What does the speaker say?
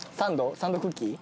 サンドクッキー？